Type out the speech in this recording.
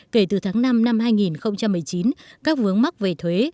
kể từ tháng năm năm hai nghìn một mươi chín các vướng mắc về thuế